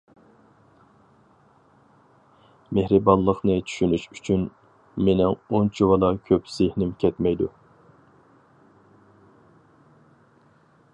مېھرىبانلىقنى چۈشىنىش ئۈچۈن مېنىڭ ئۇنچىۋالا كۆپ زېھنىم كەتمەيدۇ.